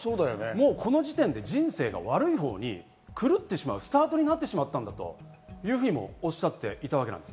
この時点で人生が悪い方に狂ってしまう、スタートになってしまったんだというふうに、おっしゃっていました。